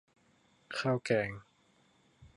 ข้าวแกง